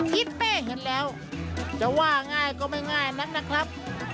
ทิศเป้เห็นแล้วจะว่าง่ายก็ไม่ง่ายนั้นนะครับ